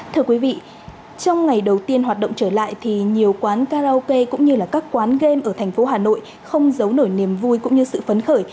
thưa quý vị trong ngày đầu tiên hoạt động trở lại thì nhiều quán karaoke cũng như các quán game ở thành phố hà nội không giấu nổi niềm vui cũng như sự phấn khởi